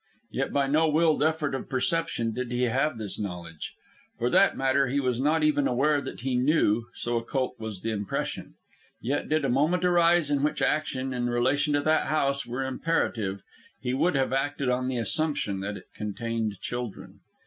Yet by no willed effort of perception did he have this knowledge. For that matter, he was not even aware that he knew, so occult was the impression. Yet, did a moment arise in which action, in relation to that house, were imperative, he would have acted on the assumption that it contained children.